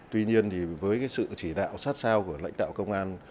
tuy nhiên thì với sự chỉ đạo sát sao của lãnh đạo công an